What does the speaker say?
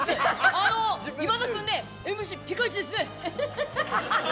あのー、今田君ね、ＭＣピカイチですね！